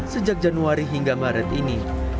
sejak januari hingga maret ini